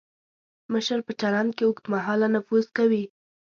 مشر په چلند کې اوږد مهاله نفوذ کوي.